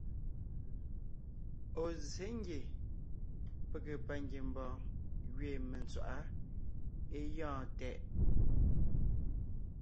Ɔ̀ zsé ngie pege pangiembɔɔn gẅiin mentswaʼá é gyɔ̂ɔn tɛʼ.